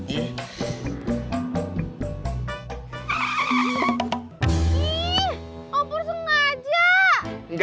ih opor sengaja